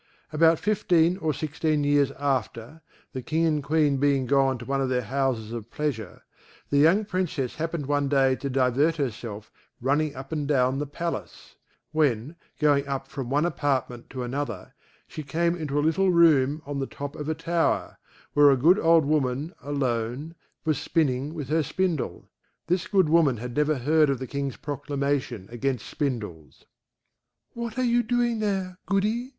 About fifteen or sixteen years after, the King and Queen being gone to one of their houses of pleasure, the young Princess happened one day to divert herself running up and down the palace; when going up from one apartment to another, she came into a little room on the top of a tower, where a good old woman, alone, was spinning with her spindle. This good woman had never heard of the King's proclamation against spindles. "What are you doing there, Goody?"